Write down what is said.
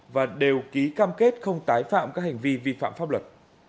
và đều ký cam kết không tái phạm các hành vi vi phạm pháp luật